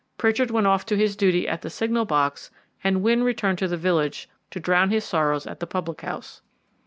Pritchard went off to his duty at the signal box and Wynne returned to the village to drown his sorrows at the public house.